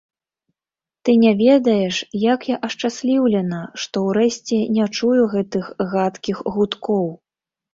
Ты не ведаеш, як я ашчасліўлена, што ўрэшце не чую гэтых гадкіх гудкоў.